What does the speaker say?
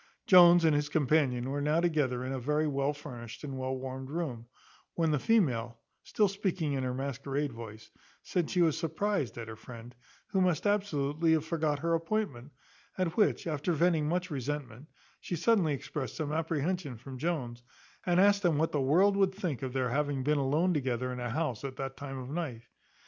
Jones and his companion were now together in a very well furnished and well warmed room; when the female, still speaking in her masquerade voice, said she was surprized at her friend, who must absolutely have forgot her appointment; at which, after venting much resentment, she suddenly exprest some apprehension from Jones, and asked him what the world would think of their having been alone together in a house at that time of night?